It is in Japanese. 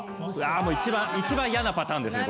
一番一番嫌なパターンですね